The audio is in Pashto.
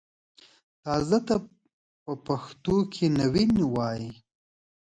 تازه ته په پښتو کښې نوين وايي